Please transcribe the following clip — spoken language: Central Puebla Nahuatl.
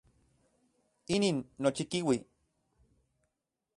Inin nochikiui.